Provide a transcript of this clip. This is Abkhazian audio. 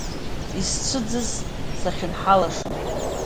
Исцәыӡыз сахьынҳалашан.